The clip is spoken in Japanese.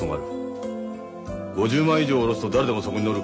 ５０万以上下ろすと誰でもそこに載る。